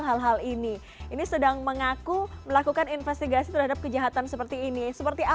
hal hal ini ini sedang mengaku melakukan investigasi terhadap kejahatan seperti ini seperti